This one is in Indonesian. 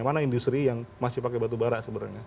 mana industri yang masih pakai batubara sebenarnya